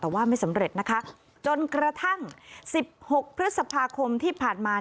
แต่ว่าไม่สำเร็จนะคะจนกระทั่ง๑๖พฤษภาคมที่ผ่านมา